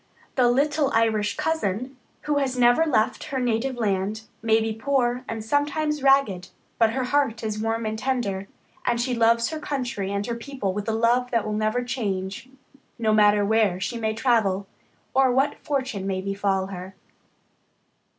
The little Irish cousin, who has never left her native land, may be poor, and sometimes ragged, but her heart is warm and tender, and she loves her country and her people with a love that will never change, no matter where she may travel or what fortune may befall her.